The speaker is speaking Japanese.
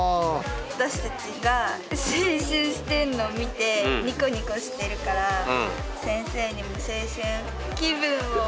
私たちが青春してるのを見てニコニコしてるから先生にも青春気分を。